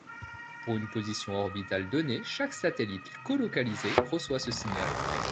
Pour une position orbitale donnée, chaque satellite collocalisé reçoit ce signal.